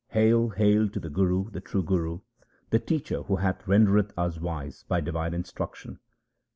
Hail ! hail to the Guru, the true Guru, the teacher who hath rendered us wise by divine instruction